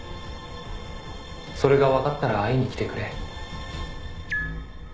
「それがわかったら会いに来てくれ」